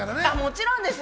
もちろんです。